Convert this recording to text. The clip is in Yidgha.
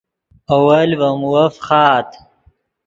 اول ڤے مووف فخآت